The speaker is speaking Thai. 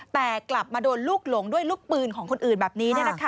แต่กลับมาโดนลูกหลงด้วยลูกปืนของคนอื่นแบบนี้